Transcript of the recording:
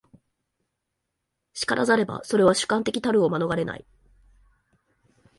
然らざれば、それは主観的たるを免れない。